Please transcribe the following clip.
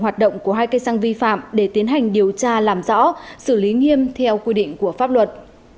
hoạt động của hai cây xăng vi phạm để tiến hành điều tra làm rõ xử lý nghiêm theo quy định của pháp luật